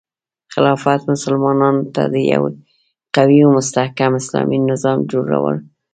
خلافت مسلمانانو ته د یو قوي او مستحکم اسلامي نظام جوړولو فرصت ورکوي.